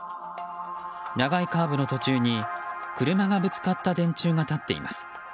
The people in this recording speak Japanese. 長いカーブの途中に車がぶつかった電柱が立っています。